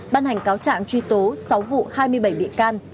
ban hành cáo trạng truy tố sáu vụ hai mươi bảy bị can